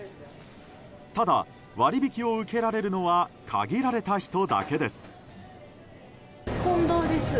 ただ、割り引きを受けられるのは限られた人だけです。